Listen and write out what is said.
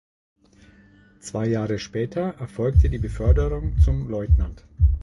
Zwei Jahre später erfolgte die Beförderung zum Leutnant.